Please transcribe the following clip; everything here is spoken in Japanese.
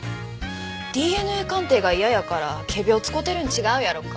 ＤＮＡ鑑定が嫌やから仮病を使うてるん違うやろか？